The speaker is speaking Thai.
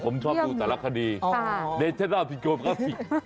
ผมชอบดูตารางคดี